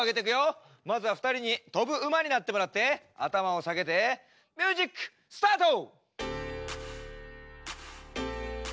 まずは２人に跳ぶ馬になってもらって頭を下げてミュージックスタート！